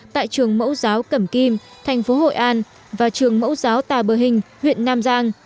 tại trường mẫu giáo cẩm kim thành phố hội an và trường mẫu giáo tà bờ hình huyện nam giang